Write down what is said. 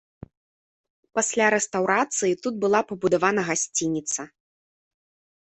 Пасля рэстаўрацыі тут была пабудавана гасцініца.